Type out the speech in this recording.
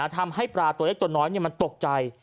ทำให้ปลาตัวเล็กตัวน้อยมันตกใจ